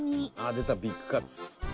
出たビッグカツ。